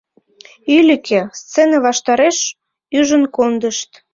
Ӱлыкӧ, сцене ваштареш ӱжын кондышт.